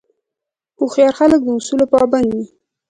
هوښیار خلک د اصولو پابند وي.